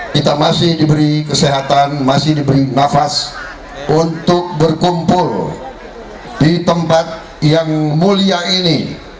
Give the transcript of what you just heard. kita masih diberi kesehatan masih diberi nafas untuk berkumpul di tempat yang mulia ini